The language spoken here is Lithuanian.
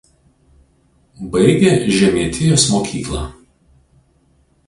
Baigė žemietijos mokyklą.